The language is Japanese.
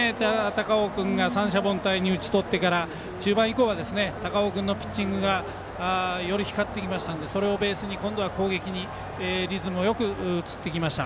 高尾君が三者凡退に打ち取ってから中盤以降は高尾君のピッチングがより光ってきましたのでそれをベースに今度は攻撃にリズムよく移ってきました。